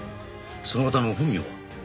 その方の本名は？